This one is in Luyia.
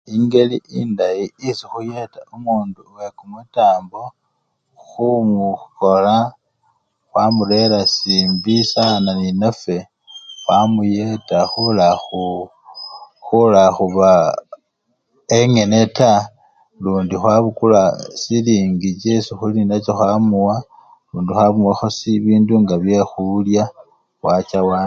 Engeli endayi esikhuyeta omundu wekumutambo, khumukhola khwamurera simbi sana nenafwe khwamuyeta khulakhu! khulakhuba engene taa, lundi khwabukula silingi chesi khuli nenacho khwamuwa lundi khwamuwakho si! bindu nga byekhulya wacha walya.